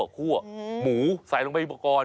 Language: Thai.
คั่วหมูใส่ลงไปก่อน